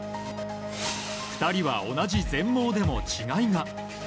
２人は同じ全盲でも違いが。